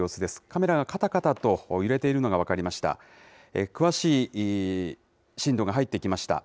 カメラがかたかたと揺れているのが分かりました。